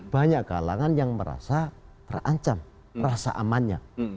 banyak kalangan yang merasa terancam rasa amannya